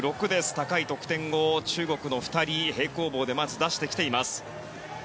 高い得点を中国の２人が平行棒で出してきています。